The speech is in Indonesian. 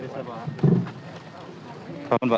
terima kasih desember